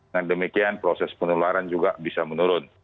dan demikian proses penularan juga bisa menurun